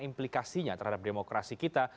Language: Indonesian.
implikasinya terhadap demokrasi kita